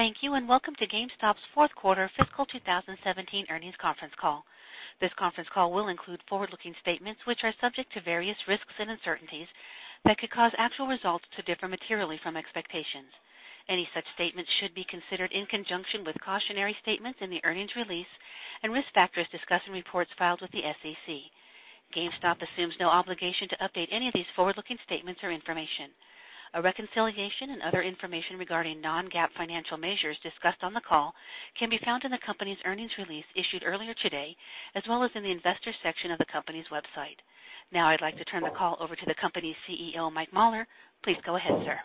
Thank you, and welcome to GameStop's fourth quarter fiscal 2017 earnings conference call. This conference call will include forward-looking statements which are subject to various risks and uncertainties that could cause actual results to differ materially from expectations. Any such statements should be considered in conjunction with cautionary statements in the earnings release and risk factors discussed in reports filed with the SEC. GameStop assumes no obligation to update any of these forward-looking statements or information. A reconciliation and other information regarding non-GAAP financial measures discussed on the call can be found in the company's earnings release issued earlier today, as well as in the Investors section of the company's website. I'd like to turn the call over to the company's CEO, Mike Mauler. Please go ahead, sir.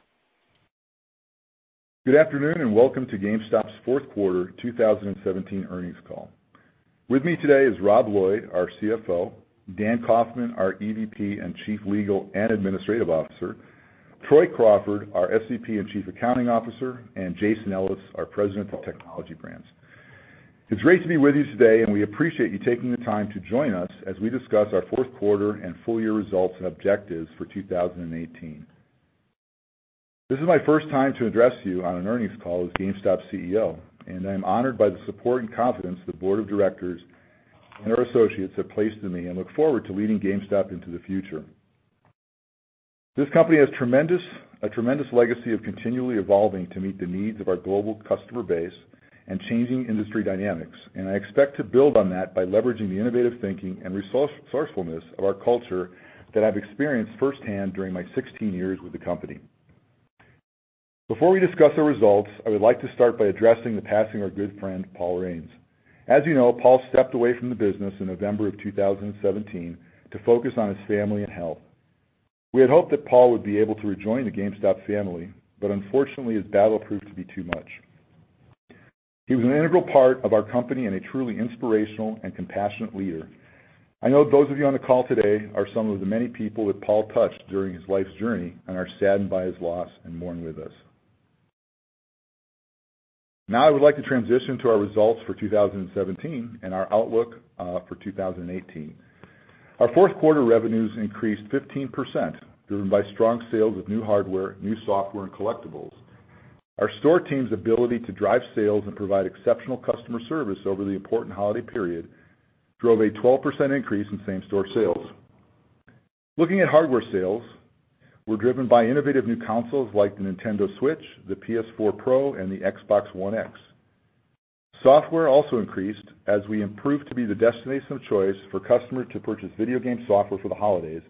Good afternoon, welcome to GameStop's fourth quarter 2017 earnings call. With me today is Rob Lloyd, our CFO, Dan Kaufman, our EVP and Chief Legal and Administrative Officer, Troy Crawford, our SVP and Chief Accounting Officer, Jason Ellis, our President for Technology Brands. It's great to be with you today, we appreciate you taking the time to join us as we discuss our fourth quarter and full-year results and objectives for 2018. This is my first time to address you on an earnings call as GameStop's CEO, I'm honored by the support and confidence the board of directors and our associates have placed in me look forward to leading GameStop into the future. This company has a tremendous legacy of continually evolving to meet the needs of our global customer base and changing industry dynamics, I expect to build on that by leveraging the innovative thinking and resourcefulness of our culture that I've experienced firsthand during my 16 years with the company. Before we discuss our results, I would like to start by addressing the passing of our good friend, Paul Raines. As you know, Paul stepped away from the business in November of 2017 to focus on his family and health. We had hoped that Paul would be able to rejoin the GameStop family, unfortunately, his battle proved to be too much. He was an integral part of our company and a truly inspirational and compassionate leader. I know those of you on the call today are some of the many people that Paul touched during his life's journey and are saddened by his loss and mourn with us. I would like to transition to our results for 2017 and our outlook for 2018. Our fourth quarter revenues increased 15%, driven by strong sales of new hardware, new software, and collectibles. Our store team's ability to drive sales and provide exceptional customer service over the important holiday period drove a 12% increase in same-store sales. Looking at hardware sales, we're driven by innovative new consoles like the Nintendo Switch, the PS4 Pro, the Xbox One X. Software also increased as we improved to be the destination of choice for customers to purchase video game software for the holidays,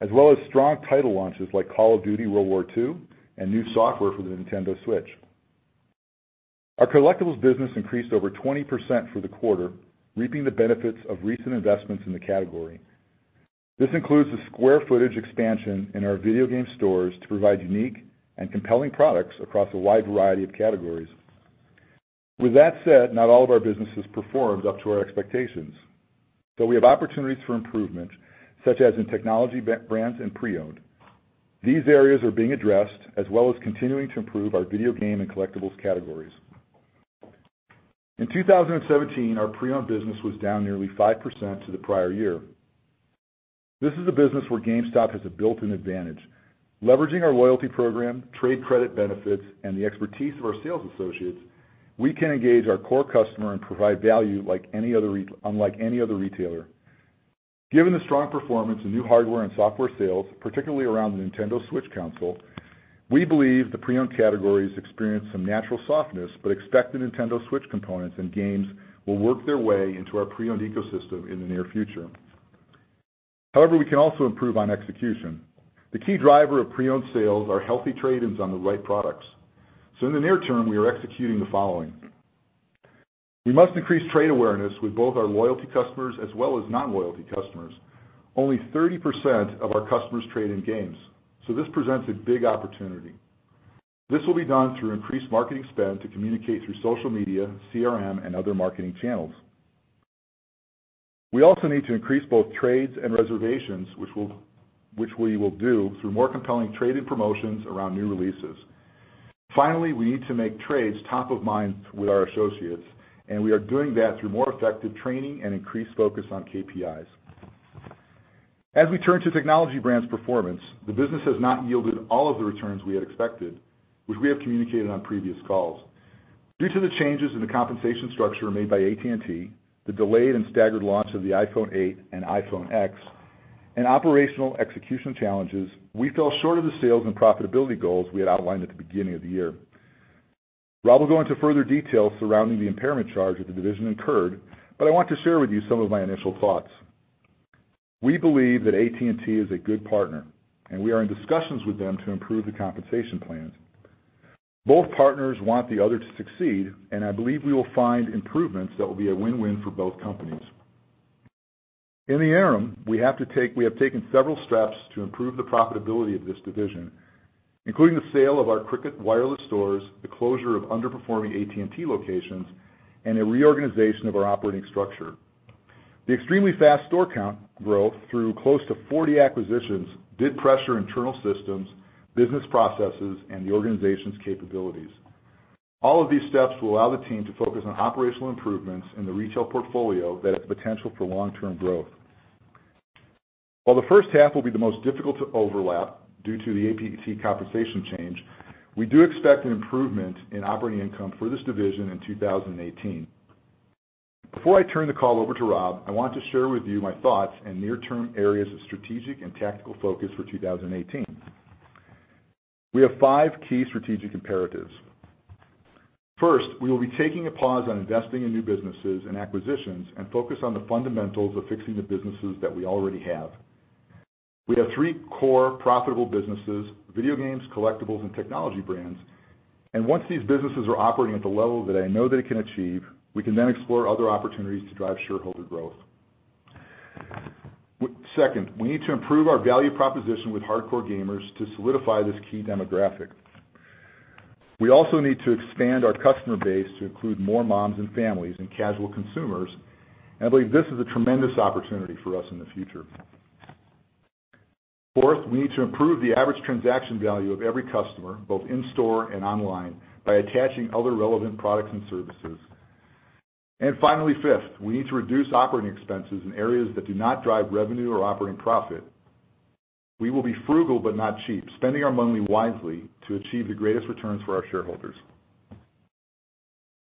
as well as strong title launches like Call of Duty: WWII and new software for the Nintendo Switch. Our collectibles business increased over 20% for the quarter, reaping the benefits of recent investments in the category. This includes the square footage expansion in our video game stores to provide unique and compelling products across a wide variety of categories. With that said, not all of our businesses performed up to our expectations. We have opportunities for improvement, such as in Technology Brands and pre-owned. These areas are being addressed, as well as continuing to improve our video game and collectibles categories. In 2017, our pre-owned business was down nearly 5% to the prior year. This is a business where GameStop has a built-in advantage. Leveraging our loyalty program, trade credit benefits, and the expertise of our sales associates, we can engage our core customer and provide value unlike any other retailer. Given the strong performance in new hardware and software sales, particularly around the Nintendo Switch console, we believe the pre-owned categories experienced some natural softness but expect the Nintendo Switch components and games will work their way into our pre-owned ecosystem in the near future. We can also improve on execution. The key driver of pre-owned sales are healthy trade-ins on the right products. In the near term, we are executing the following. We must increase trade awareness with both our loyalty customers as well as non-loyalty customers. Only 30% of our customers trade in games, so this presents a big opportunity. This will be done through increased marketing spend to communicate through social media, CRM, and other marketing channels. We also need to increase both trades and reservations, which we will do through more compelling trade-in promotions around new releases. Finally, we need to make trades top of mind with our associates, and we are doing that through more effective training and increased focus on KPIs. As we turn to Technology Brands performance, the business has not yielded all of the returns we had expected, which we have communicated on previous calls. Due to the changes in the compensation structure made by AT&T, the delayed and staggered launch of the iPhone 8 and iPhone X, and operational execution challenges, we fell short of the sales and profitability goals we had outlined at the beginning of the year. Rob will go into further detail surrounding the impairment charge that the division incurred, but I want to share with you some of my initial thoughts. We believe that AT&T is a good partner, and we are in discussions with them to improve the compensation plans. Both partners want the other to succeed, and I believe we will find improvements that will be a win-win for both companies. In the interim, we have taken several steps to improve the profitability of this division, including the sale of our Cricket Wireless stores, the closure of underperforming AT&T locations, and a reorganization of our operating structure. The extremely fast store count growth through close to 40 acquisitions did pressure internal systems, business processes, and the organization's capabilities. All of these steps will allow the team to focus on operational improvements in the retail portfolio that has potential for long-term growth. While the first half will be the most difficult to overlap, due to the AT&T compensation change, we do expect an improvement in operating income for this division in 2018. Before I turn the call over to Rob, I want to share with you my thoughts and near-term areas of strategic and tactical focus for 2018. We have five key strategic imperatives. First, we will be taking a pause on investing in new businesses and acquisitions and focus on the fundamentals of fixing the businesses that we already have. We have three core profitable businesses, video games, collectibles, and Technology Brands, and once these businesses are operating at the level that I know they can achieve, we can then explore other opportunities to drive shareholder growth. Second, we need to improve our value proposition with hardcore gamers to solidify this key demographic. We also need to expand our customer base to include more moms and families and casual consumers. I believe this is a tremendous opportunity for us in the future. Fourth, we need to improve the average transaction value of every customer, both in-store and online, by attaching other relevant products and services. Finally, fifth, we need to reduce operating expenses in areas that do not drive revenue or operating profit. We will be frugal but not cheap, spending our money wisely to achieve the greatest returns for our shareholders.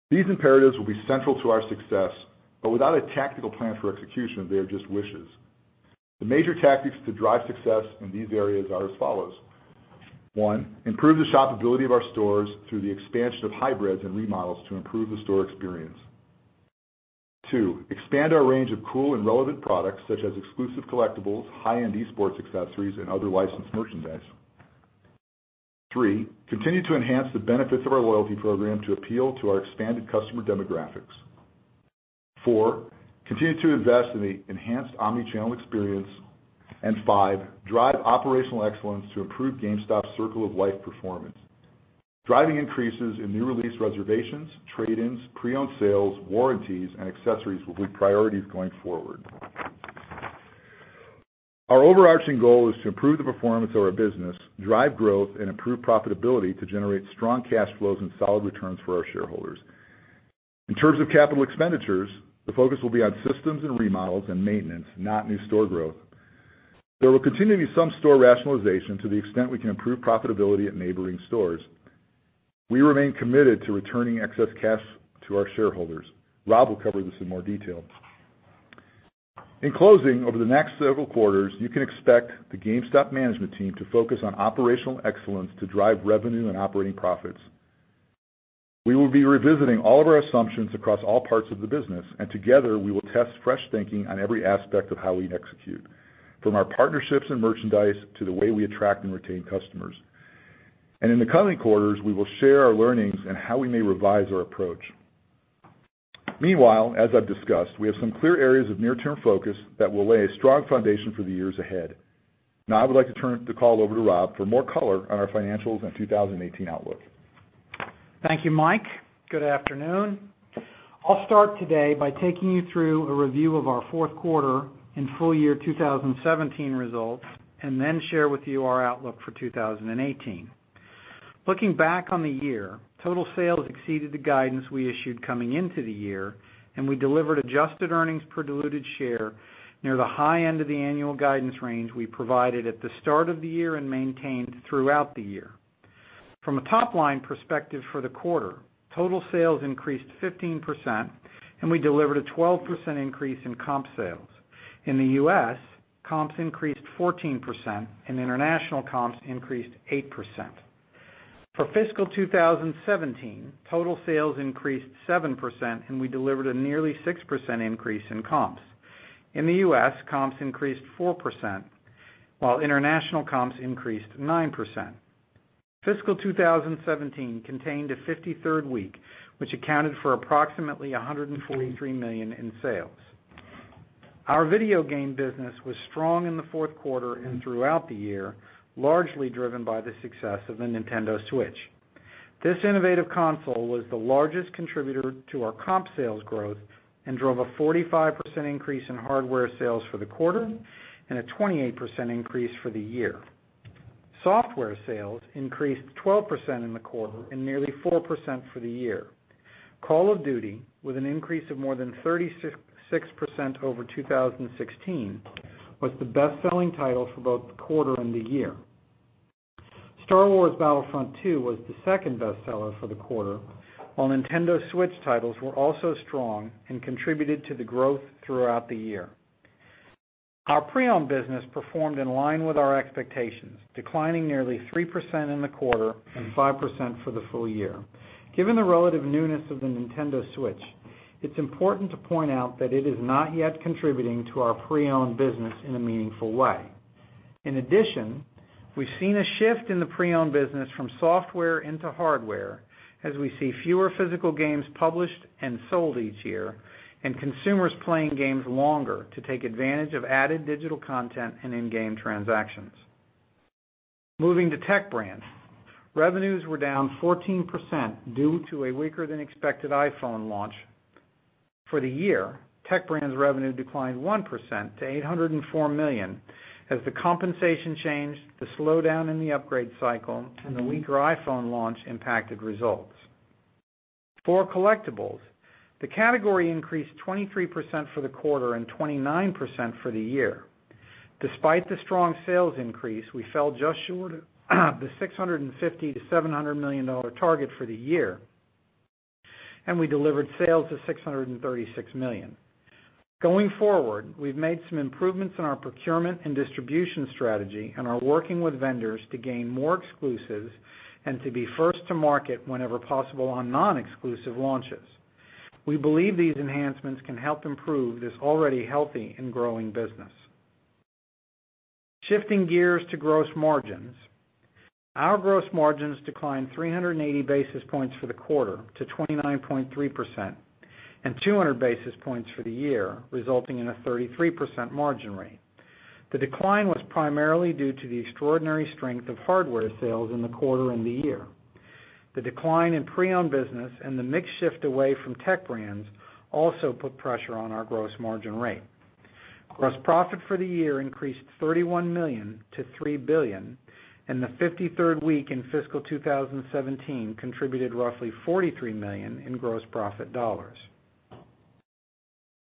These imperatives will be central to our success, but without a tactical plan for execution, they are just wishes. The major tactics to drive success in these areas are as follows. One, improve the shoppability of our stores through the expansion of hybrids and remodels to improve the store experience. Two, expand our range of cool and relevant products, such as exclusive collectibles, high-end e-sports accessories, and other licensed merchandise. Three, continue to enhance the benefits of our loyalty program to appeal to our expanded customer demographics. Four, continue to invest in the enhanced omnichannel experience. Five, drive operational excellence to improve GameStop's circle of life performance. Driving increases in new release reservations, trade-ins, pre-owned sales, warranties, and accessories will be priorities going forward. Our overarching goal is to improve the performance of our business, drive growth, and improve profitability to generate strong cash flows and solid returns for our shareholders. In terms of capital expenditures, the focus will be on systems and remodels and maintenance, not new store growth. There will continue to be some store rationalization to the extent we can improve profitability at neighboring stores. We remain committed to returning excess cash to our shareholders. Rob will cover this in more detail. In closing, over the next several quarters, you can expect the GameStop management team to focus on operational excellence to drive revenue and operating profits. We will be revisiting all of our assumptions across all parts of the business, and together, we will test fresh thinking on every aspect of how we execute, from our partnerships and merchandise to the way we attract and retain customers. In the coming quarters, we will share our learnings and how we may revise our approach. Meanwhile, as I've discussed, we have some clear areas of near-term focus that will lay a strong foundation for the years ahead. I would like to turn the call over to Rob for more color on our financials and 2018 outlook. Thank you, Mike. Good afternoon. I'll start today by taking you through a review of our fourth quarter and full year 2017 results, and then share with you our outlook for 2018. Looking back on the year, total sales exceeded the guidance we issued coming into the year, and we delivered adjusted earnings per diluted share near the high end of the annual guidance range we provided at the start of the year and maintained throughout the year. From a top-line perspective for the quarter, total sales increased 15%, and we delivered a 12% increase in comp sales. In the U.S., comps increased 14%, and international comps increased 8%. For fiscal 2017, total sales increased 7%, and we delivered a nearly 6% increase in comps. In the U.S., comps increased 4%, while international comps increased 9%. Fiscal 2017 contained a 53rd week, which accounted for approximately $143 million in sales. Our video game business was strong in the fourth quarter and throughout the year, largely driven by the success of the Nintendo Switch. This innovative console was the largest contributor to our comp sales growth and drove a 45% increase in hardware sales for the quarter and a 28% increase for the year. Software sales increased 12% in the quarter and nearly 4% for the year. Call of Duty, with an increase of more than 36% over 2016, was the best-selling title for both the quarter and the year. Star Wars Battlefront II was the second best-seller for the quarter, while Nintendo Switch titles were also strong and contributed to the growth throughout the year. Our pre-owned business performed in line with our expectations, declining nearly 3% in the quarter and 5% for the full year. Given the relative newness of the Nintendo Switch, it's important to point out that it is not yet contributing to our pre-owned business in a meaningful way. In addition, we've seen a shift in the pre-owned business from software into hardware as we see fewer physical games published and sold each year and consumers playing games longer to take advantage of added digital content and in-game transactions. Moving to Tech Brands, revenues were down 14% due to a weaker-than-expected iPhone launch. For the year, Tech Brands revenue declined 1% to $804 million, as the compensation change, the slowdown in the upgrade cycle, and the weaker iPhone launch impacted results. For collectibles, the category increased 23% for the quarter and 29% for the year. Despite the strong sales increase, we fell just short of the $650 million-$700 million target for the year, and we delivered sales of $636 million. Going forward, we've made some improvements in our procurement and distribution strategy and are working with vendors to gain more exclusives and to be first to market whenever possible on non-exclusive launches. Shifting gears to gross margins. Our gross margins declined 380 basis points for the quarter to 29.3% and 200 basis points for the year, resulting in a 33% margin rate. The decline was primarily due to the extraordinary strength of hardware sales in the quarter and the year. The decline in pre-owned business and the mix shift away from Tech Brands also put pressure on our gross margin rate. Gross profit for the year increased $31 million to $3 billion, and the 53rd week in fiscal 2017 contributed roughly $43 million in gross profit dollars.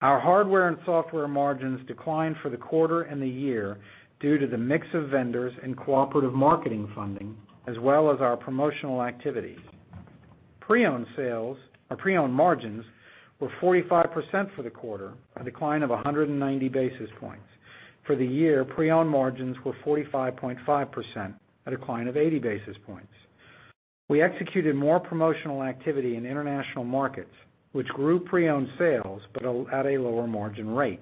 Our hardware and software margins declined for the quarter and the year due to the mix of vendors and cooperative marketing funding, as well as our promotional activities. Pre-owned margins were 45% for the quarter, a decline of 190 basis points. For the year, pre-owned margins were 45.5%, a decline of 80 basis points. We executed more promotional activity in international markets, which grew pre-owned sales but at a lower margin rate.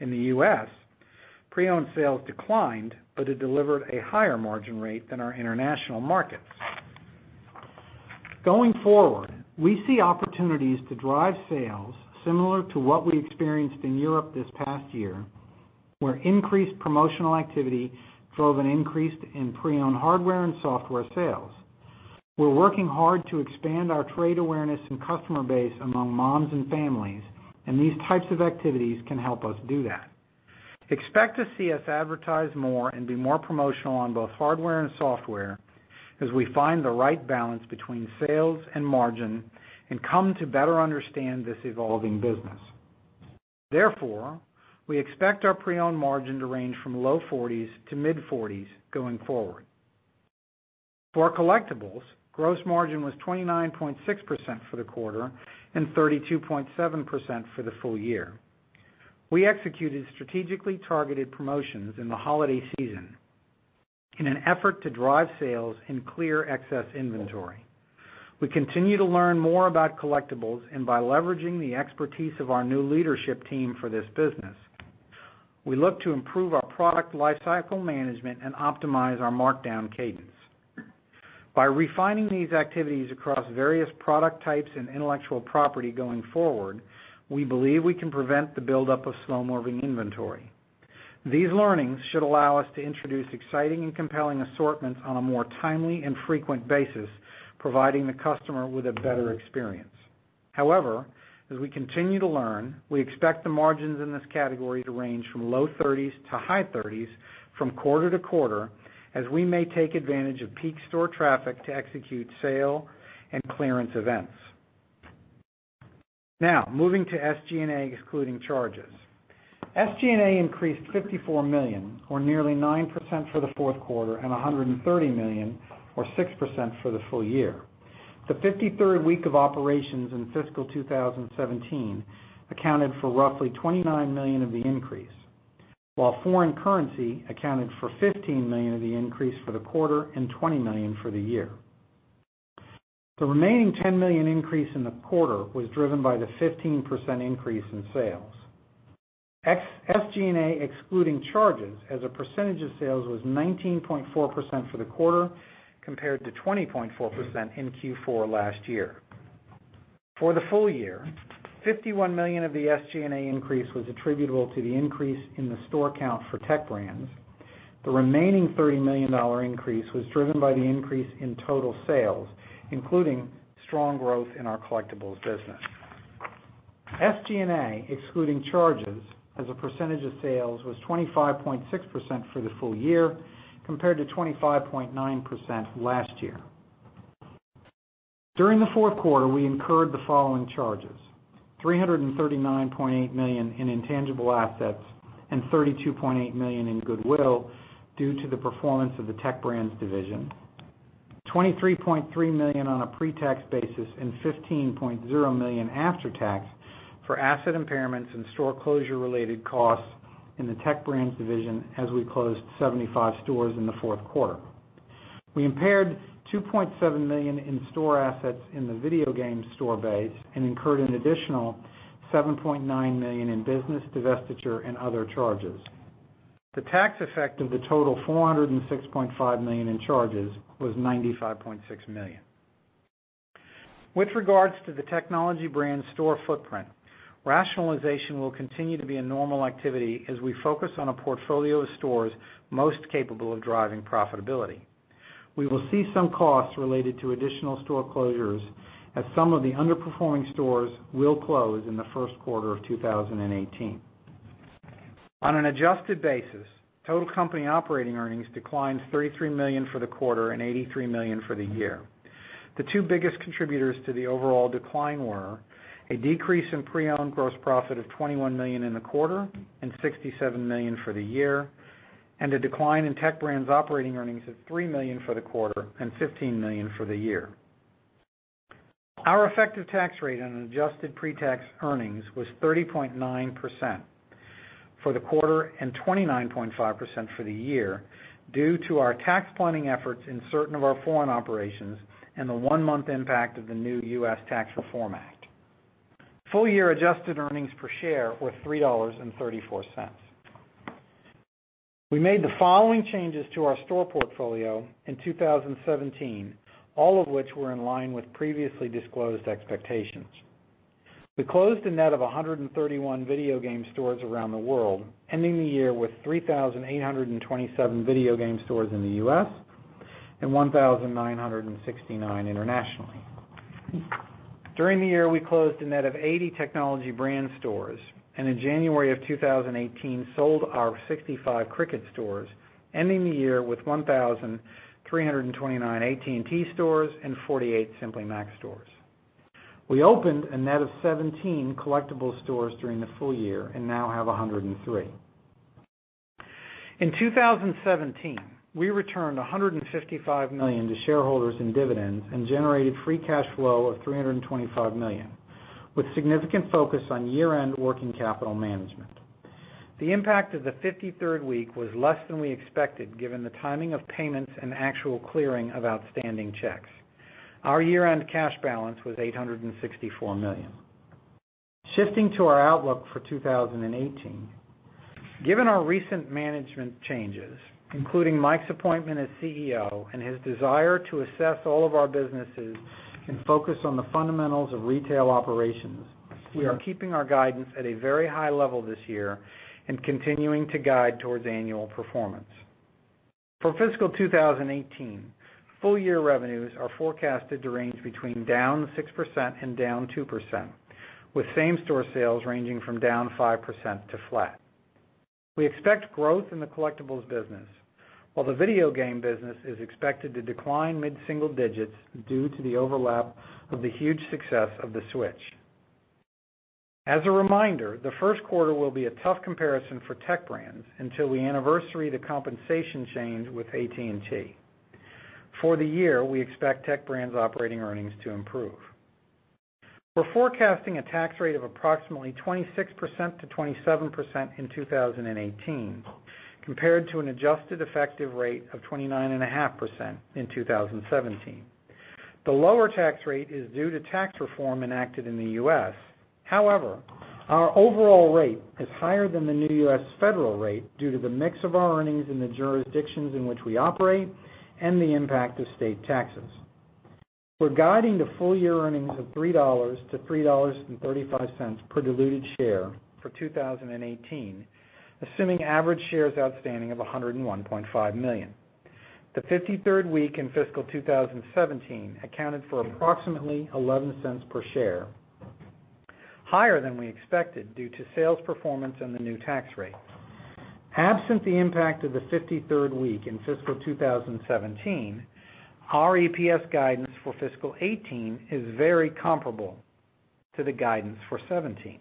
In the U.S., pre-owned sales declined, but it delivered a higher margin rate than our international markets. Going forward, we see opportunities to drive sales similar to what we experienced in Europe this past year, where increased promotional activity drove an increase in pre-owned hardware and software sales. We're working hard to expand our trade awareness and customer base among moms and families, and these types of activities can help us do that. Expect to see us advertise more and be more promotional on both hardware and software as we find the right balance between sales and margin and come to better understand this evolving business. Therefore, we expect our pre-owned margin to range from low 40s to mid 40s going forward. For our collectibles, gross margin was 29.6% for the quarter and 32.7% for the full year. We executed strategically targeted promotions in the holiday season in an effort to drive sales and clear excess inventory. We continue to learn more about collectibles, and by leveraging the expertise of our new leadership team for this business, we look to improve our product lifecycle management and optimize our markdown cadence. By refining these activities across various product types and intellectual property going forward, we believe we can prevent the buildup of slow-moving inventory. These learnings should allow us to introduce exciting and compelling assortments on a more timely and frequent basis, providing the customer with a better experience. However, as we continue to learn, we expect the margins in this category to range from low 30s to high 30s from quarter to quarter, as we may take advantage of peak store traffic to execute sale and clearance events. Now, moving to SG&A excluding charges. SG&A increased $54 million, or nearly 9% for the fourth quarter, and $130 million or 6% for the full year. The 53rd week of operations in fiscal 2017 accounted for roughly $29 million of the increase, while foreign currency accounted for $15 million of the increase for the quarter and $20 million for the year. The remaining $10 million increase in the quarter was driven by the 15% increase in sales. SG&A excluding charges as a percentage of sales was 19.4% for the quarter, compared to 20.4% in Q4 last year. For the full year, $51 million of the SG&A increase was attributable to the increase in the store count for Tech Brands. The remaining $30 million increase was driven by the increase in total sales, including strong growth in our collectibles business. SG&A, excluding charges as a percentage of sales, was 25.6% for the full year, compared to 25.9% last year. During the fourth quarter, we incurred the following charges: $339.8 million in intangible assets and $32.8 million in goodwill due to the performance of the Tech Brands division. $23.3 million on a pre-tax basis and $15.0 million after tax for asset impairments and store closure-related costs in the Tech Brands division as we closed 75 stores in the fourth quarter. We impaired $2.7 million in store assets in the video game store base and incurred an additional $7.9 million in business divestiture and other charges. The tax effect of the total $406.5 million in charges was $95.6 million. With regards to the Technology Brands store footprint, rationalization will continue to be a normal activity as we focus on a portfolio of stores most capable of driving profitability. We will see some costs related to additional store closures as some of the underperforming stores will close in the first quarter of 2018. On an adjusted basis, total company operating earnings declined $33 million for the quarter and $83 million for the year. The two biggest contributors to the overall decline were a decrease in pre-owned gross profit of $21 million in the quarter and $67 million for the year, and a decline in Tech Brands operating earnings of $3 million for the quarter and $15 million for the year. Our effective tax rate on adjusted pre-tax earnings was 30.9% for the quarter and 29.5% for the year due to our tax planning efforts in certain of our foreign operations and the one-month impact of the new U.S. Tax Reform Act. Full-year adjusted earnings per share were $3.34. We made the following changes to our store portfolio in 2017, all of which were in line with previously disclosed expectations. We closed a net of 131 video game stores around the world, ending the year with 3,827 video game stores in the U.S. and 1,969 internationally. During the year, we closed a net of 80 Technology Brands stores and in January of 2018, sold our 65 Cricket stores, ending the year with 1,329 AT&T stores and 48 Simply Mac stores. We opened a net of 17 collectible stores during the full year and now have 103. In 2017, we returned $155 million to shareholders in dividends and generated free cash flow of $325 million, with significant focus on year-end working capital management. The impact of the 53rd week was less than we expected given the timing of payments and actual clearing of outstanding checks. Our year-end cash balance was $864 million. Shifting to our outlook for 2018, given our recent management changes, including Mike's appointment as CEO and his desire to assess all of our businesses and focus on the fundamentals of retail operations, we are keeping our guidance at a very high level this year and continuing to guide towards annual performance. For fiscal 2018, full-year revenues are forecasted to range between -6% and -2%, with same-store sales ranging from -5% to flat. We expect growth in the Collectibles business, while the video game business is expected to decline mid-single digits due to the overlap of the huge success of the Switch. As a reminder, the first quarter will be a tough comparison for Tech Brands until we anniversary the compensation change with AT&T. For the year, we expect Tech Brands operating earnings to improve. We're forecasting a tax rate of approximately 26%-27% in 2018, compared to an adjusted effective rate of 29.5% in 2017. The lower tax rate is due to tax reform enacted in the U.S. However, our overall rate is higher than the new U.S. federal rate due to the mix of our earnings in the jurisdictions in which we operate and the impact of state taxes. We're guiding to full-year earnings of $3-$3.35 per diluted share for 2018, assuming average shares outstanding of 101.5 million. The 53rd week in fiscal 2017 accounted for approximately $0.11 per share, higher than we expected due to sales performance and the new tax rate. Absent the impact of the 53rd week in fiscal 2017, our EPS guidance for fiscal 2018 is very comparable to the guidance for 2017.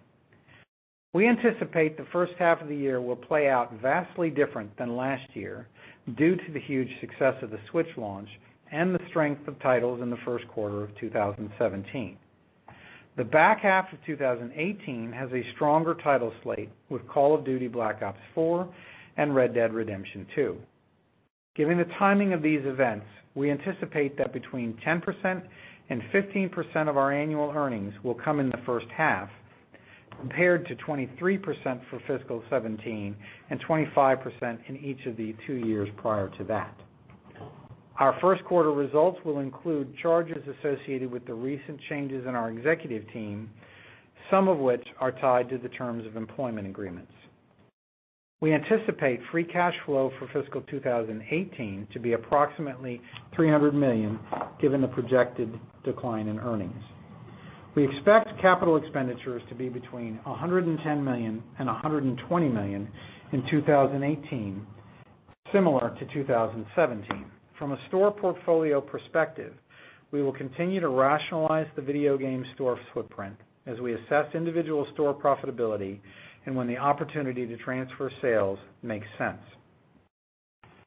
We anticipate the first half of the year will play out vastly different than last year due to the huge success of the Switch launch and the strength of titles in the first quarter of 2017. The back half of 2018 has a stronger title slate with Call of Duty: Black Ops 4 and Red Dead Redemption 2. Given the timing of these events, we anticipate that between 10% and 15% of our annual earnings will come in the first half, compared to 23% for fiscal 2017 and 25% in each of the two years prior to that. Our first quarter results will include charges associated with the recent changes in our executive team, some of which are tied to the terms of employment agreements. We anticipate free cash flow for fiscal 2018 to be approximately $300 million, given the projected decline in earnings. We expect capital expenditures to be between $110 million and $120 million in 2018, similar to 2017. From a store portfolio perspective, we will continue to rationalize the video game store footprint as we assess individual store profitability and when the opportunity to transfer sales makes sense.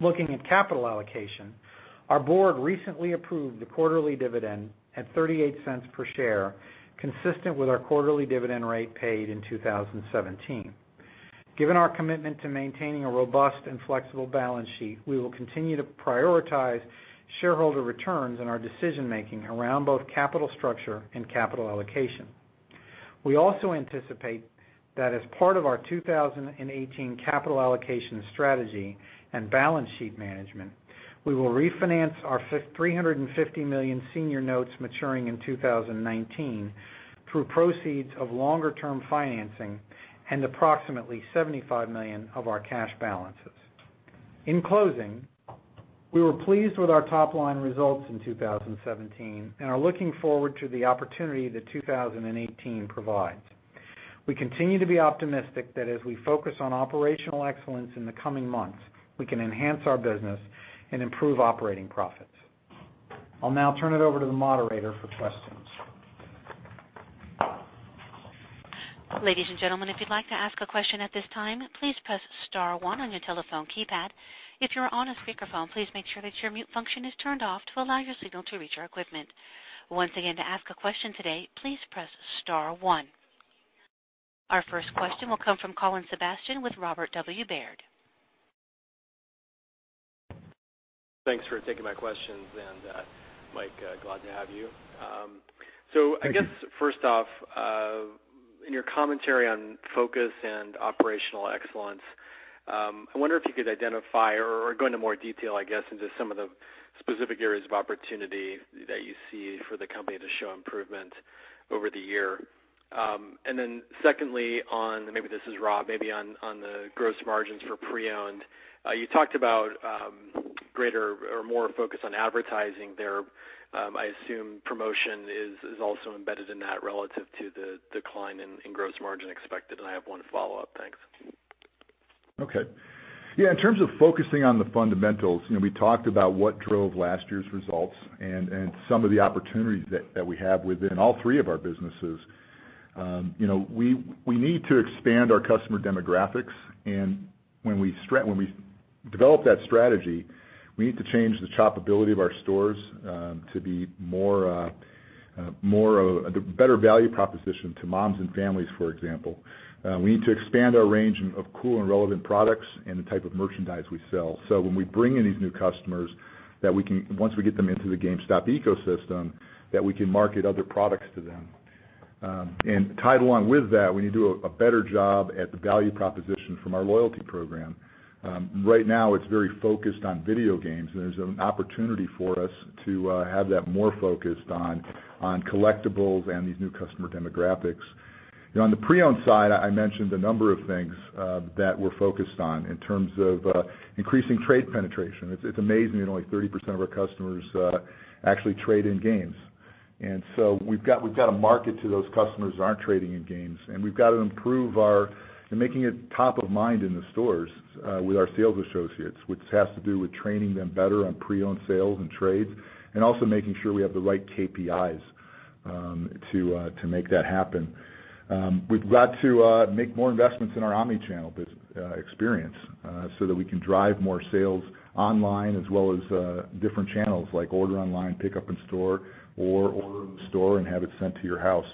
Looking at capital allocation, our board recently approved a quarterly dividend at $0.38 per share, consistent with our quarterly dividend rate paid in 2017. Given our commitment to maintaining a robust and flexible balance sheet, we will continue to prioritize shareholder returns in our decision-making around both capital structure and capital allocation. We also anticipate that as part of our 2018 capital allocation strategy and balance sheet management, we will refinance our $350 million senior notes maturing in 2019 through proceeds of longer-term financing and approximately $75 million of our cash balances. In closing, we were pleased with our top-line results in 2017 and are looking forward to the opportunity that 2018 provides. We continue to be optimistic that as we focus on operational excellence in the coming months, we can enhance our business and improve operating profits. I'll now turn it over to the moderator for questions. Ladies and gentlemen, if you'd like to ask a question at this time, please press *1 on your telephone keypad. If you're on a speakerphone, please make sure that your mute function is turned off to allow your signal to reach our equipment. Once again, to ask a question today, please press *1. Our first question will come from Colin Sebastian with Robert W. Baird. Thanks for taking my questions. Mike, glad to have you. Thank you. I guess first off, in your commentary on focus and operational excellence, I wonder if you could identify or go into more detail, I guess, into some of the specific areas of opportunity that you see for the company to show improvement over the year. Secondly on, maybe this is Rob, maybe on the gross margins for pre-owned. You talked about more focus on advertising there. I assume promotion is also embedded in that relative to the decline in gross margin expected. I have one follow-up. Thanks. Okay. Yeah, in terms of focusing on the fundamentals, we talked about what drove last year's results and some of the opportunities that we have within all three of our businesses. We need to expand our customer demographics and when we develop that strategy, we need to change the shoppability of our stores to be a better value proposition to moms and families, for example. We need to expand our range of cool and relevant products and the type of merchandise we sell. When we bring in these new customers, once we get them into the GameStop ecosystem, that we can market other products to them. Tied along with that, we need to do a better job at the value proposition from our loyalty program. Right now, it's very focused on video games, and there's an opportunity for us to have that more focused on collectibles and these new customer demographics. On the pre-owned side, I mentioned a number of things that we're focused on in terms of increasing trade penetration. It's amazing that only 30% of our customers actually trade in games. We've got to market to those customers who aren't trading in games, and we've got to improve our and making it top of mind in the stores with our sales associates, which has to do with training them better on pre-owned sales and trades, and also making sure we have the right KPIs to make that happen. We've got to make more investments in our omnichannel experience so that we can drive more sales online as well as different channels like order online, pick up in store, or order in the store and have it sent to your house.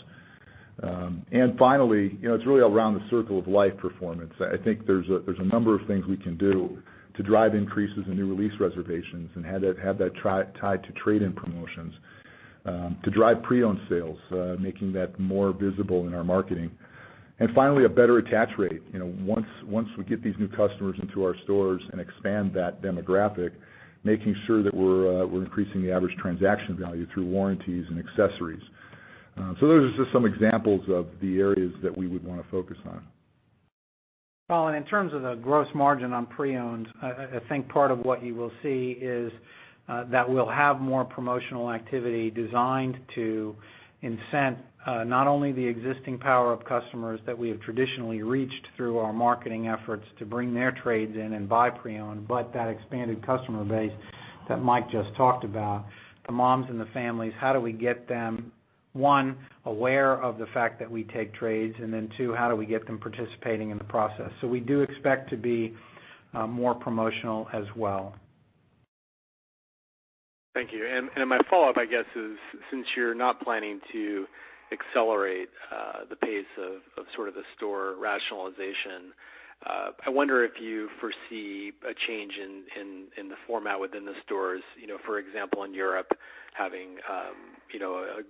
Finally, it's really around the circle of life performance. I think there's a number of things we can do to drive increases in new release reservations and have that tied to trade-in promotions, to drive pre-owned sales, making that more visible in our marketing. Finally, a better attach rate. Once we get these new customers into our stores and expand that demographic, making sure that we're increasing the average transaction value through warranties and accessories. Those are just some examples of the areas that we would want to focus on. Colin, in terms of the gross margin on pre-owned, I think part of what you will see is that we'll have more promotional activity designed to incent not only the existing PowerUp customers that we have traditionally reached through our marketing efforts to bring their trades in and buy pre-owned, but that expanded customer base that Mike just talked about. The moms and the families, how do we get them, one, aware of the fact that we take trades, then two, how do we get them participating in the process? We do expect to be more promotional as well. Thank you. My follow-up, I guess, is since you're not planning to accelerate the pace of the store rationalization, I wonder if you foresee a change in the format within the stores. For example, in Europe, having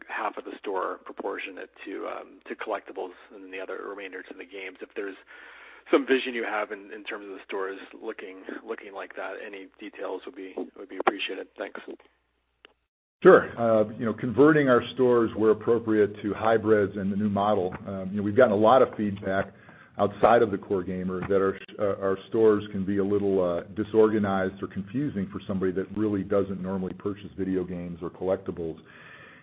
half of the store proportioned to collectibles and the other remainder to the games. If there's some vision you have in terms of the stores looking like that, any details would be appreciated. Thanks. Sure. Converting our stores where appropriate to hybrids and the new model. We've gotten a lot of feedback outside of the core gamers that our stores can be a little disorganized or confusing for somebody that really doesn't normally purchase video games or collectibles.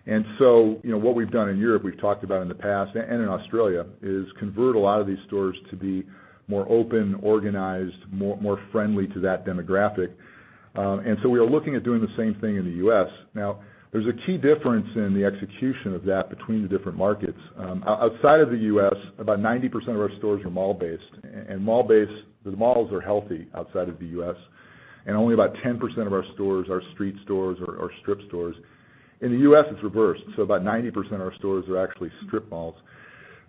What we've done in Europe, we've talked about in the past, and in Australia, is convert a lot of these stores to be more open, organized, more friendly to that demographic. We are looking at doing the same thing in the U.S. Now, there's a key difference in the execution of that between the different markets. Outside of the U.S., about 90% of our stores are mall-based, and the malls are healthy outside of the U.S., and only about 10% of our stores are street stores or strip stores. In the U.S., it's reversed. About 90% of our stores are actually strip malls.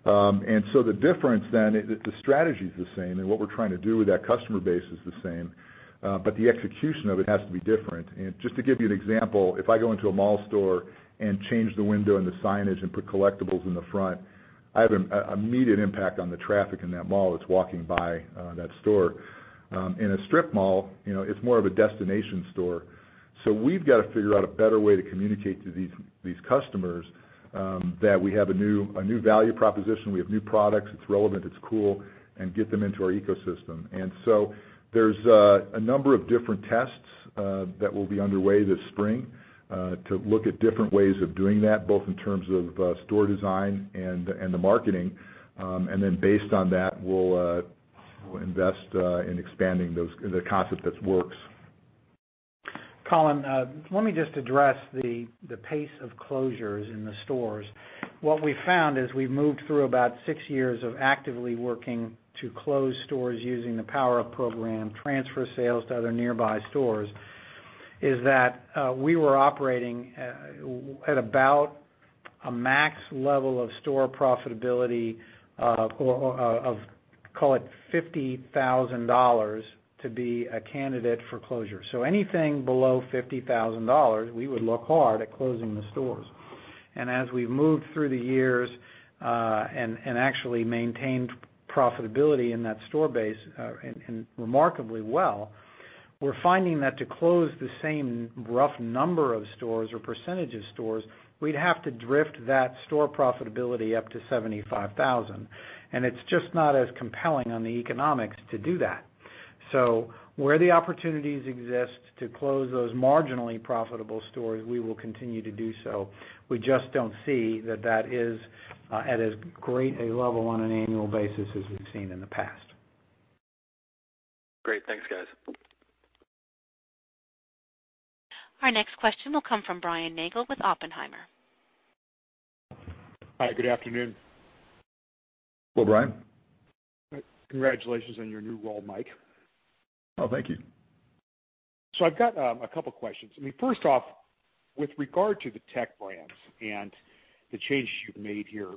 The difference then, the strategy is the same, and what we're trying to do with that customer base is the same, but the execution of it has to be different. Just to give you an example, if I go into a mall store and change the window and the signage and put collectibles in the front, I have an immediate impact on the traffic in that mall that's walking by that store. In a strip mall, it's more of a destination store. We've got to figure out a better way to communicate to these customers that we have a new value proposition, we have new products, it's relevant, it's cool, and get them into our ecosystem. There's a number of different tests that will be underway this spring to look at different ways of doing that, both in terms of store design and the marketing. Based on that, we'll invest in expanding the concept that works. Colin, let me just address the pace of closures in the stores. What we found as we moved through about 6 years of actively working to close stores using the PowerUp program, transfer sales to other nearby stores, is that we were operating at about a max level of store profitability of, call it $50,000 to be a candidate for closure. Anything below $50,000, we would look hard at closing the stores. As we've moved through the years and actually maintained profitability in that store base, and remarkably well, we're finding that to close the same rough number of stores or percentage of stores, we'd have to drift that store profitability up to $75,000. It's just not as compelling on the economics to do that. Where the opportunities exist to close those marginally profitable stores, we will continue to do so. We just don't see that that is at as great a level on an annual basis as we've seen in the past. Great. Thanks, guys. Our next question will come from Brian Nagel with Oppenheimer. Hi, good afternoon. Hello, Brian. Congratulations on your new role, Mike. Oh, thank you. I've got a couple questions. First off, with regard to the Technology Brands and the changes you've made here.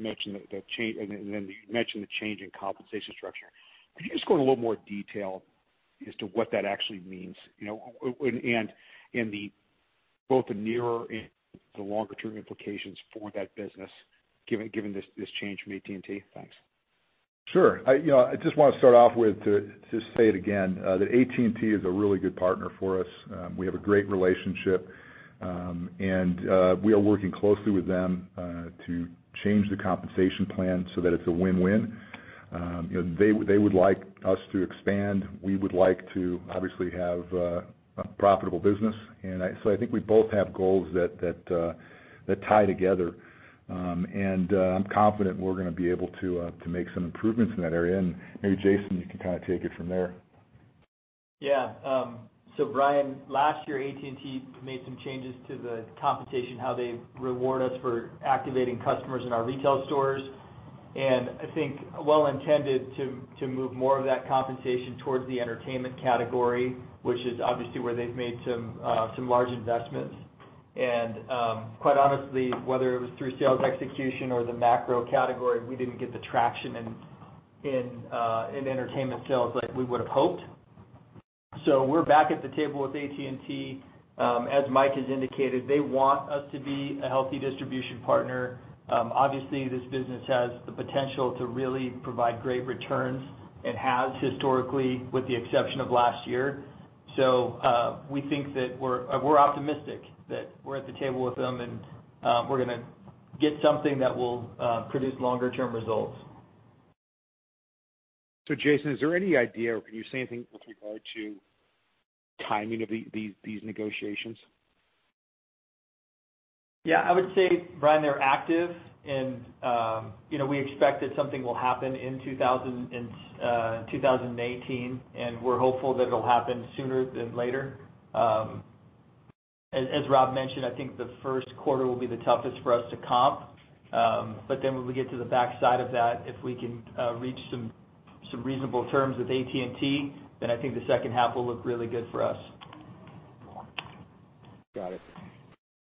Then you mentioned the change in compensation structure. Could you just go into a little more detail as to what that actually means, and both the nearer and the longer-term implications for that business, given this change from AT&T? Thanks. Sure. I just want to start off with, to say it again, that AT&T is a really good partner for us. We have a great relationship. We are working closely with them to change the compensation plan so that it's a win-win. They would like us to expand. We would like to obviously have a profitable business. I think we both have goals that tie together. I'm confident we're going to be able to make some improvements in that area. Maybe Jason, you can take it from there. Yeah. Brian, last year, AT&T made some changes to the compensation, how they reward us for activating customers in our retail stores. I think well intended to move more of that compensation towards the entertainment category, which is obviously where they've made some large investments. Quite honestly, whether it was through sales execution or the macro category, we didn't get the traction in entertainment sales like we would've hoped. We're back at the table with AT&T. As Mike has indicated, they want us to be a healthy distribution partner. Obviously, this business has the potential to really provide great returns. It has historically, with the exception of last year. We're optimistic that we're at the table with them and we're going to get something that will produce longer-term results. Jason, is there any idea, or can you say anything with regard to timing of these negotiations? Yeah, I would say, Brian, they're active we expect that something will happen in 2018 we're hopeful that it'll happen sooner than later. As Rob mentioned, I think the first quarter will be the toughest for us to comp. When we get to the backside of that, if we can reach some reasonable terms with AT&T, I think the second half will look really good for us. Got it.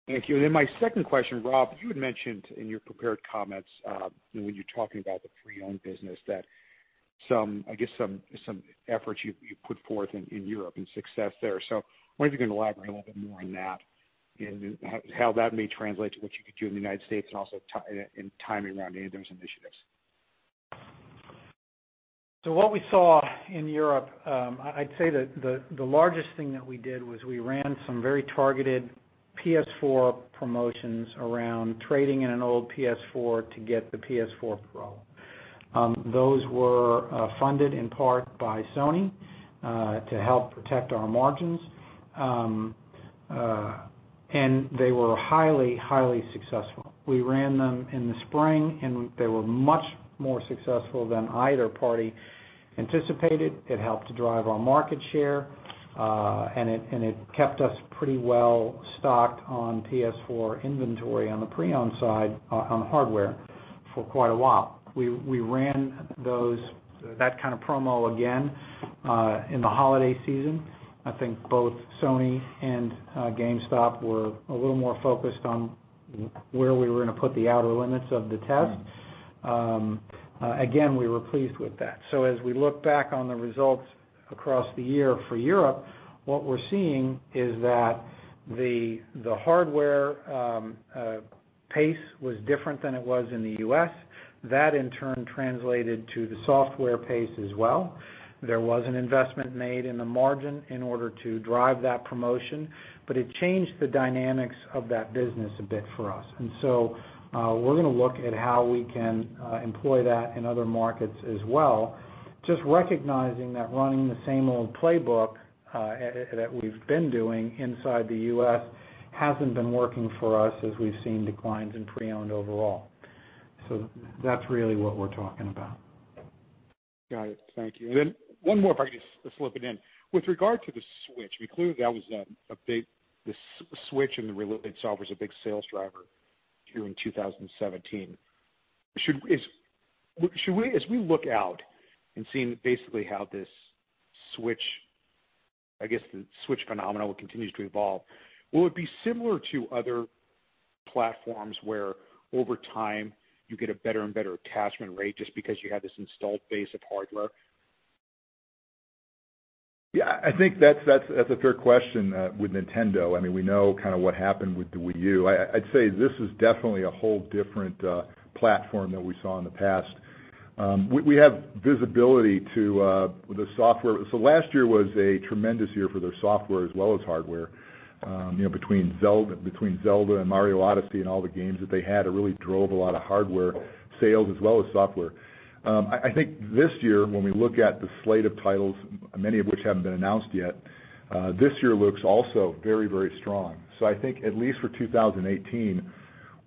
Thank you. My second question, Rob, you had mentioned in your prepared comments, when you were talking about the pre-owned business that I guess some efforts you put forth in Europe and success there. I wonder if you can elaborate a little bit more on that and how that may translate to what you could do in the United States and also timing around any of those initiatives. What we saw in Europe, I'd say that the largest thing that we did was we ran some very targeted PS4 promotions around trading in an old PS4 to get the PS4 Pro. Those were funded in part by Sony, to help protect our margins, they were highly successful. We ran them in the spring, they were much more successful than either party anticipated. It helped to drive our market share, it kept us pretty well-stocked on PS4 inventory on the pre-owned side on the hardware for quite a while. We ran that kind of promo again in the holiday season. I think both Sony and GameStop were a little more focused on where we were going to put the outer limits of the test. Again, we were pleased with that. As we look back on the results across the year for Europe, what we're seeing is that the hardware pace was different than it was in the U.S. That in turn translated to the software pace as well. There was an investment made in the margin in order to drive that promotion, it changed the dynamics of that business a bit for us. We're going to look at how we can employ that in other markets as well, just recognizing that running the same old playbook that we've been doing inside the U.S. hasn't been working for us as we've seen declines in pre-owned overall. That's really what we're talking about. Got it. Thank you. Then one more if I can just slip it in. With regard to the Nintendo Switch, we clearly the Nintendo Switch and the related software is a big sales driver during 2017. As we look out and seeing basically how this Nintendo Switch, I guess the Nintendo Switch phenomenon continues to evolve, will it be similar to other platforms where over time you get a better and better attachment rate just because you have this installed base of hardware? Yeah, I think that's a fair question with Nintendo. We know what happened with the Wii U. I'd say this is definitely a whole different platform than we saw in the past. We have visibility to the software. Last year was a tremendous year for their software as well as hardware. Between Zelda and Super Mario Odyssey and all the games that they had, it really drove a lot of hardware sales as well as software. I think this year, when we look at the slate of titles, many of which haven't been announced yet, this year looks also very strong. I think at least for 2018,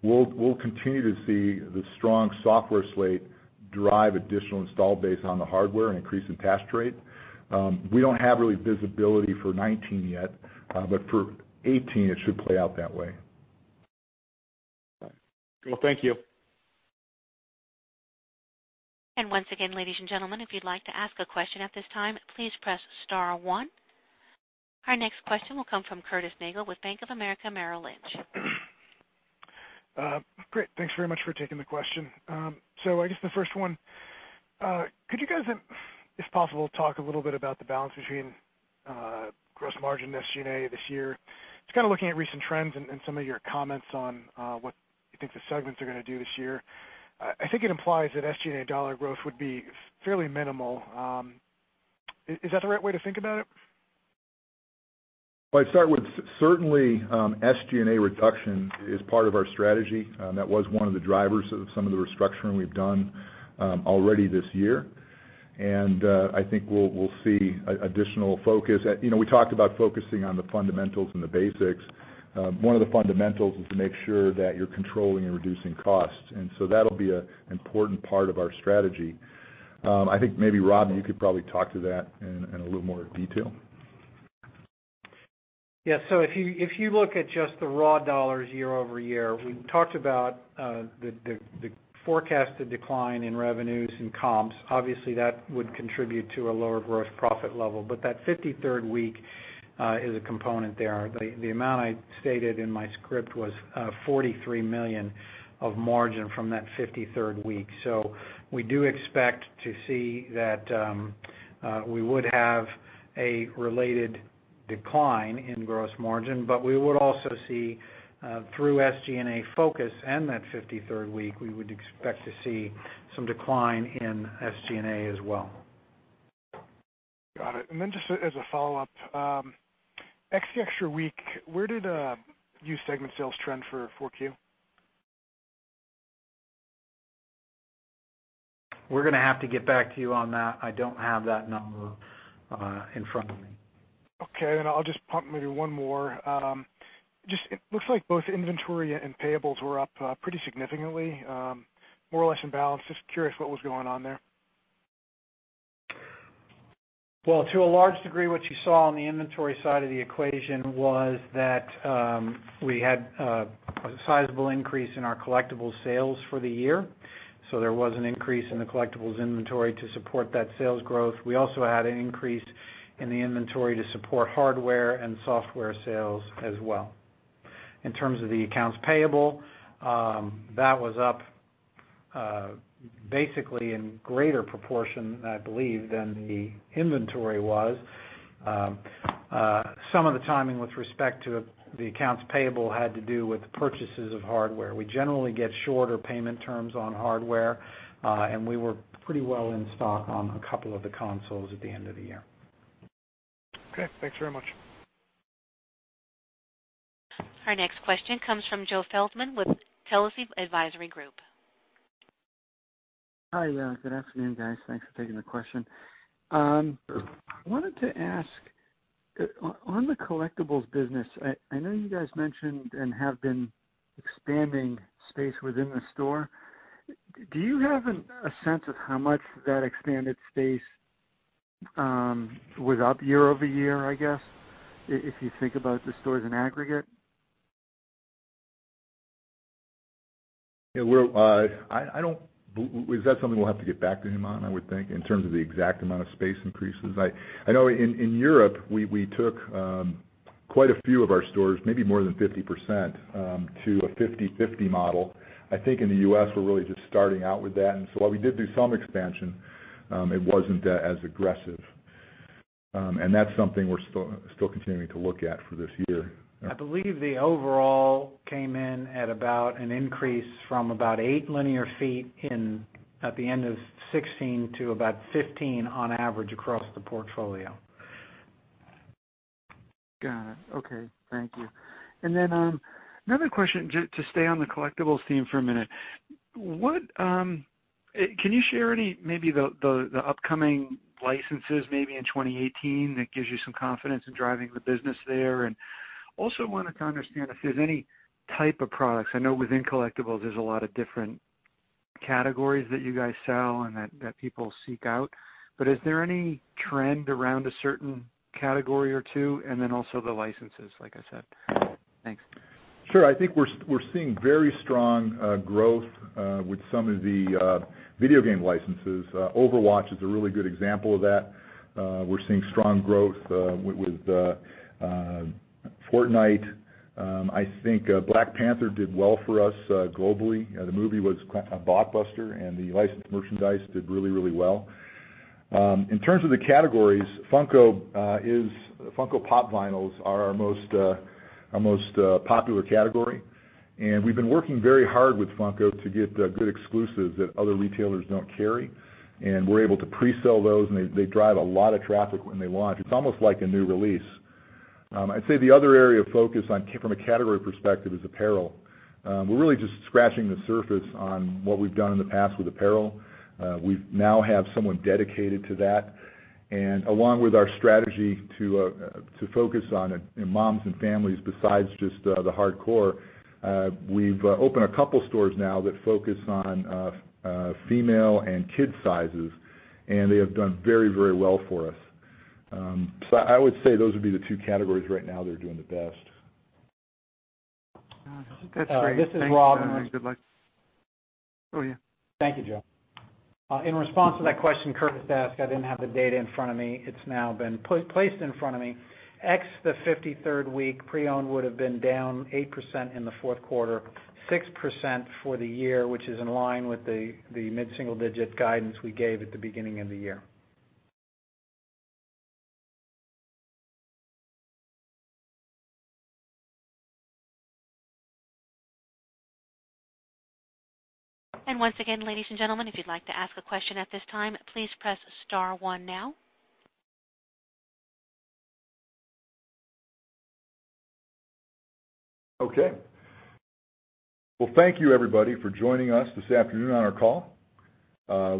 we'll continue to see the strong software slate drive additional install base on the hardware and increase attach rate. We don't have really visibility for 2019 yet. For 2018, it should play out that way. Cool, thank you. Once again, ladies and gentlemen, if you'd like to ask a question at this time, please press star one. Our next question will come from Curtis Nagle with Bank of America Merrill Lynch. Great. Thanks very much for taking the question. I guess the first one, could you guys, if possible, talk a little bit about the balance between gross margin SG&A this year? Just kind of looking at recent trends and some of your comments on what you think the segments are going to do this year. I think it implies that SG&A dollar growth would be fairly minimal. Is that the right way to think about it? I'd start with certainly, SG&A reduction is part of our strategy. That was one of the drivers of some of the restructuring we've done already this year. I think we'll see additional focus. We talked about focusing on the fundamentals and the basics. One of the fundamentals is to make sure that you're controlling and reducing costs, that'll be an important part of our strategy. I think maybe Rob, you could probably talk to that in a little more detail. If you look at just the raw dollars year-over-year, we talked about the forecasted decline in revenues and comps. Obviously, that would contribute to a lower gross profit level. That 53rd week is a component there. The amount I stated in my script was $43 million of margin from that 53rd week. We do expect to see that we would have a related decline in gross margin. We would also see through SG&A focus and that 53rd week, we would expect to see some decline in SG&A as well. Got it. Just as a follow-up, ex the extra week, where did used segment sales trend for 4Q? We're going to have to get back to you on that. I don't have that number in front of me. Okay, I'll just pump maybe one more. Just, it looks like both inventory and payables were up pretty significantly, more or less in balance. Just curious what was going on there. Well, to a large degree, what you saw on the inventory side of the equation was that we had a sizable increase in our collectibles sales for the year. There was an increase in the collectibles inventory to support that sales growth. We also had an increase in the inventory to support hardware and software sales as well. In terms of the accounts payable, that was up basically in greater proportion, I believe, than the inventory was. Some of the timing with respect to the accounts payable had to do with purchases of hardware. We generally get shorter payment terms on hardware, and we were pretty well in stock on a couple of the consoles at the end of the year. Okay, thanks very much. Our next question comes from Joe Feldman with Telsey Advisory Group. Hi. Good afternoon, guys. Thanks for taking the question. I wanted to ask, on the collectibles business, I know you guys mentioned and have been expanding space within the store. Do you have a sense of how much that expanded space was up year-over-year, I guess, if you think about the stores in aggregate? Is that something we'll have to get back to him on, I would think, in terms of the exact amount of space increases? I know in Europe, we took quite a few of our stores, maybe more than 50%, to a 50/50 model. I think in the U.S., we're really just starting out with that. While we did do some expansion, it wasn't as aggressive. That's something we're still continuing to look at for this year. I believe the overall came in at about an increase from about eight linear feet at the end of 2016 to about 15 on average across the portfolio. Got it. Okay. Thank you. Another question, just to stay on the collectibles theme for a minute. Can you share any, maybe the upcoming licenses maybe in 2018, that gives you some confidence in driving the business there? Also wanted to understand if there's any type of products, I know within collectibles, there's a lot of different categories that you guys sell and that people seek out, but is there any trend around a certain category or two, and then also the licenses, like I said? Thanks. Sure. I think we're seeing very strong growth with some of the video game licenses. Overwatch is a really good example of that. We're seeing strong growth with Fortnite. Black Panther did well for us globally. The movie was a blockbuster, and the licensed merchandise did really well. In terms of the categories, Funko Pop! Vinyls are our most popular category, we've been working very hard with Funko to get good exclusives that other retailers don't carry. We're able to pre-sell those, and they drive a lot of traffic when they launch. It's almost like a new release. I'd say the other area of focus from a category perspective is apparel. We're really just scratching the surface on what we've done in the past with apparel. We now have someone dedicated to that, and along with our strategy to focus on moms and families besides just the hardcore, we've opened a couple stores now that focus on female and kid sizes, and they have done very well for us. I would say those would be the two categories right now that are doing the best. Got it. That's great. Thanks. This is Rob. Good luck. Oh, yeah. Thank you, Joe. In response to that question Curtis asked, I didn't have the data in front of me. It's now been placed in front of me. Ex the 53rd week, pre-owned would have been down 8% in the fourth quarter, 6% for the year, which is in line with the mid-single-digit guidance we gave at the beginning of the year. Once again, ladies and gentlemen, if you'd like to ask a question at this time, please press *1 now. Okay. Well, thank you everybody for joining us this afternoon on our call.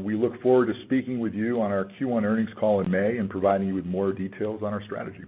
We look forward to speaking with you on our Q1 earnings call in May and providing you with more details on our strategy.